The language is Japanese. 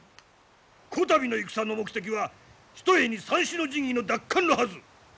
こたびの戦の目的はひとえに三種の神器の奪還のはず！